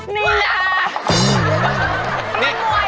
นี่แหละ